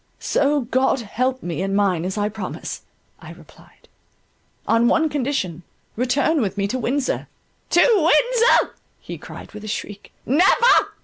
"So God help me and mine as I promise," I replied, "on one condition: return with me to Windsor." "To Windsor!" he cried with a shriek, "Never!